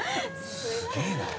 すげぇな。